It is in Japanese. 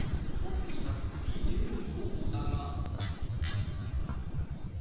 トップに立つイ・ジェミョン候補だが。